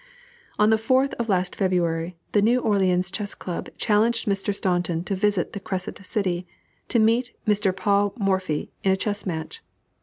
On the 4th of last February, the New Orleans Chess Club challenged Mr. Staunton to visit the Crescent City, "to meet Mr. Paul Morphy in a chess match."